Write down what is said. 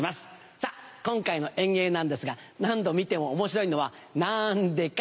さぁ今回の演芸なんですが何度見ても面白いのはなんでか？